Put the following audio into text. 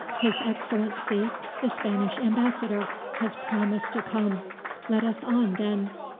His Excellency the Spanish Ambassador has promised to come. Let us on, then.